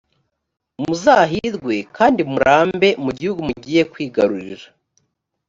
muzahirwe kandi murambe mu gihugu mugiye kwigarurira.